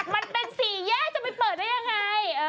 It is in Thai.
มันเป็นสี่แยกจะไปเปิดได้ยังไง